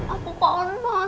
aku kawan banget